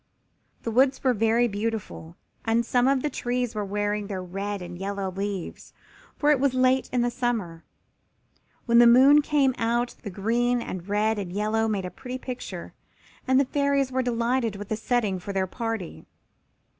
The woods were very beautiful, and some of the trees were wearing their red and yellow leaves, for it was late in the summer. When the moon came out the green and red and yellow made a pretty picture, and the Fairies were delighted with the setting for their party.